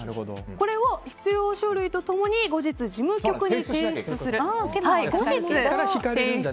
これを必要書類とともに後日、事務局に提出する。